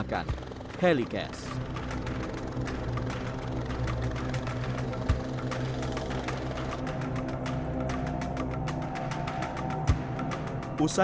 sang selain waspada